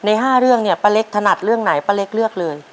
๕เรื่องเนี่ยป้าเล็กถนัดเรื่องไหนป้าเล็กเลือกเลย